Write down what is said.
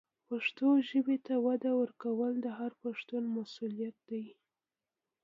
پښتو ژبې ته وده ورکول د هر پښتون مسؤلیت دی.